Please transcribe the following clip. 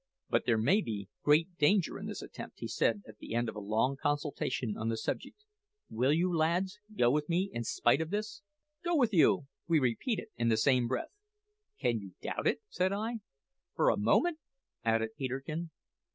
"But there may be great danger in this attempt," he said at the end of a long consultation on the subject. "Will you, lads, go with me in spite of this?" "Go with you!" we repeated in the same breath. "Can you doubt it?" said I. "For a moment?" added Peterkin.